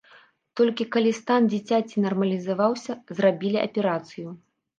Толькі калі стан дзіцяці нармалізаваўся, зрабілі аперацыю.